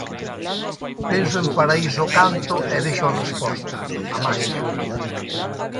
Penso en Paraíso Canto e vexo a resposta: a maxia.